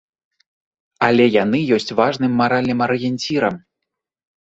Але яны ёсць важным маральным арыенцірам.